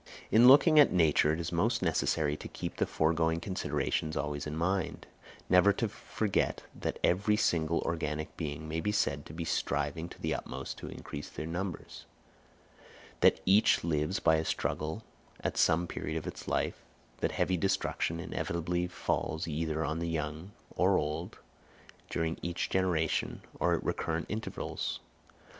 In looking at Nature, it is most necessary to keep the foregoing considerations always in mind—never to forget that every single organic being may be said to be striving to the utmost to increase in numbers; that each lives by a struggle at some period of its life; that heavy destruction inevitably falls either on the young or old during each generation or at recurrent intervals.